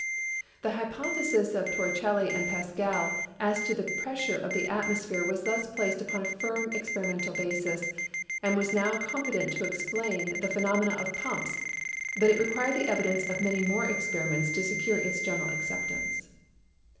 The hypothesis of Torricelli and Pascal as to the pres sure of the atmosphere was thus placed upon a firm experi mental basis and was now competent to explain the phenomena of pumps, but it required the evidence of many more experiments to secure its general acceptance.